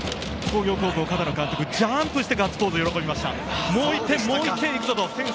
片野監督、ジャンプしてガッツポーズで喜びました。